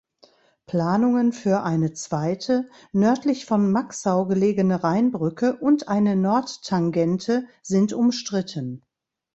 Planungen für eine zweite, nördlich von Maxau gelegene Rheinbrücke und eine Nordtangente sind umstritten.